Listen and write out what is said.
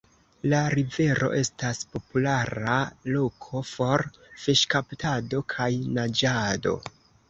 La rivero estas populara loko por fiŝkaptado kaj naĝado.